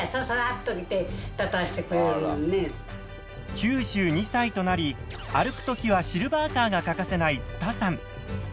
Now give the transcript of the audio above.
９２歳となり歩く時はシルバーカーが欠かせないつたさん。